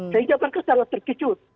sehingga mereka sangat terkejut